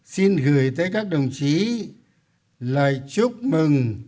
xin gửi tới các đồng chí lời chúc mừng